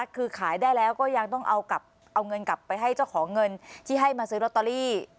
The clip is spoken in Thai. คือขายได้แล้วก็ยังต้องเอาเงินกลับไปให้เจ้าของเงินที่ให้มาซื้อลอตเตอรี่